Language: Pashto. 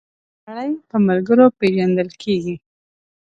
سړی په ملګرو پيژندل کیږی